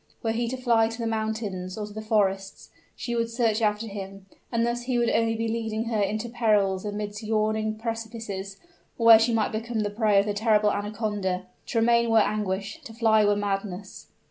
Were he to fly to the mountains or to the forests, she would search after him; and thus he would only be leading her into perils amidst yawning precipices, or where she might become the prey of the terrible anaconda. To remain were anguish to fly were madness!